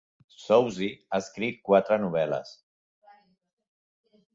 Soucy ha escrit quatre novel·les.